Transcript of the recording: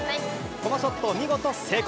このショット見事成功。